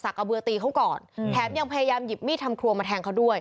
กระเบือตีเขาก่อนแถมยังพยายามหยิบมีดทำครัวมาแทงเขาด้วย